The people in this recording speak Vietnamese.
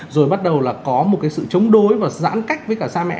rồi bắt đầu là có một cái sự chống đối và giãn cách với cả cha mẹ